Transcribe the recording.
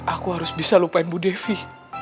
aku harus bisa lupain bu devi